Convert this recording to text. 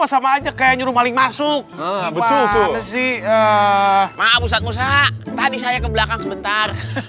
sama aja kayak nyuruh maling masuk betul sih maaf usah usah tadi saya ke belakang sebentar